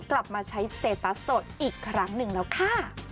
กลับมาใช้สเตตัสโสดอีกครั้งหนึ่งแล้วค่ะ